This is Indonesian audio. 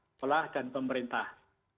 sekolah dan pemerintah